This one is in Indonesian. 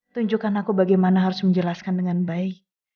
tunjukkan aku bagaimana harus menjelaskan dengan baik